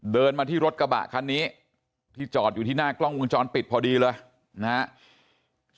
เดินมาที่รถกระบะคันนี้ที่จอดอยู่ที่หน้ากล้องวงจรปิดพอดีเลยนะครับ